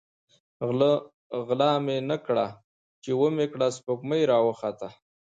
ـ غله مې نه کړه ،چې ومې کړه سپوږمۍ راوخته.